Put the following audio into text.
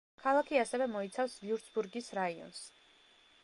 ქალაქი ასევე მოიცავს ვიურცბურგის რაიონს.